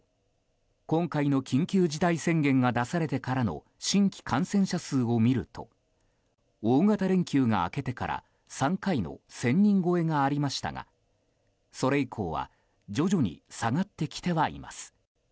今回の緊急事態宣言が出されてからの新規感染者数を見ると大型連休が明けてから３回の１０００人超えがありましたがそれ以降は徐々に下がってきてはいます。